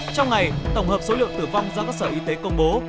trong ngày tổng hợp số liệu tử vong do các sở y tế công bố